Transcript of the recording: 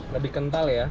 lebih kental ya